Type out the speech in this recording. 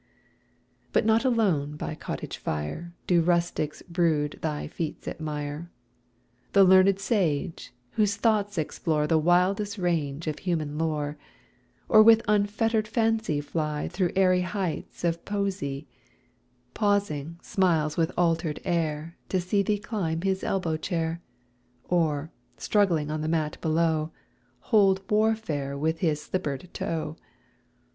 But not alone by cottage fire Do rustics rude thy feats admire. The learned sage, whose thoughts explore The widest range of human lore, Or with unfettered fancy fly Through airy heights of poesy, Pausing smiles with altered air To see thee climb his elbow chair, Or, struggling on the mat below, Hold warfare with his slippered toe.